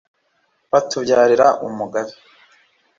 Batubyarira Umugabe